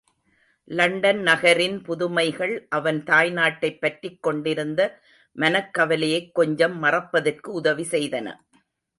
London நகரின் புதுமைகள் அவன் தாய்நாட்டைப் பற்றிக் கொண்டிருந்த மனக்கவலையைக் கொஞ்சம் மறப்பதற்கு உதவி செய்தன.